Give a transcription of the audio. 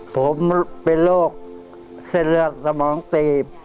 ผมเป็นโรคเส้นเลือดสมองตีบ